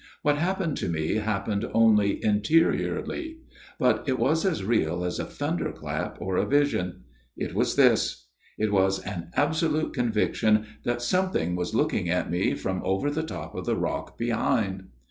What happened to me hap pened only interiorly ; but it was as real as a thunder clap or a vision. It was this ; it was an absolute conviction that something was looking at me from over the top of the rock behind.